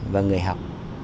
và người học